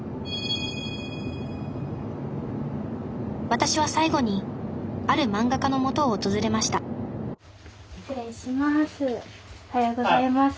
私は最後にある漫画家のもとを訪れました失礼します。